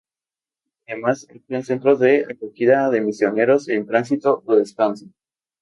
Además actúa de centro de acogida de misioneros en tránsito o descanso.